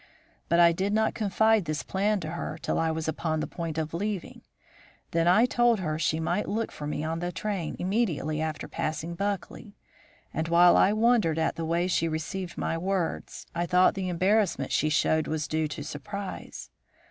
But I did not confide this plan to her till I was upon the point of leaving. Then I told her she might look for me on the train immediately after passing Buckley, and while I wondered at the way she received my words, I thought the embarrassment she showed was due to surprise.